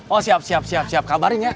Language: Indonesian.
oh siap siap kabarin ya